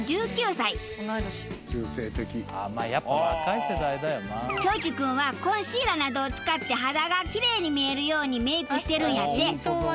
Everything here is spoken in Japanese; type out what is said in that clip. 帖地君はコンシーラーなどを使って肌がきれいに見えるようにメイクしてるんやて。